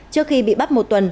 trước khi bị bắt một tuần